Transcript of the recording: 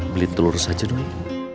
beli telur saja dong